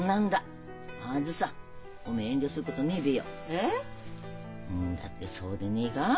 えっ？だってそうでねえか？